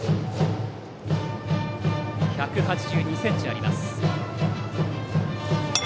１８２ｃｍあります。